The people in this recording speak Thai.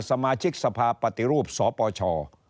สมาชิกสภาปฏิรูปสปช